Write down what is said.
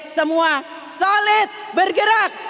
semua solid bergerak